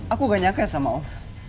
aku gak nyangka ya sama om